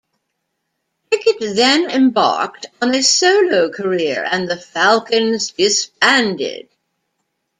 Pickett then embarked on a solo career, and The Falcons disbanded.